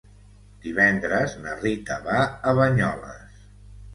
Divendres na Rita va a Banyoles.